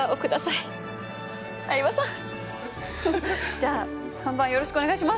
じゃあ本番よろしくお願いします。